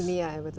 dunia ya betul